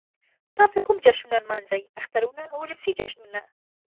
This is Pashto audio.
تاسو کوم جشنونه نمانځئ؟ اخترونه او ولسی جشنونه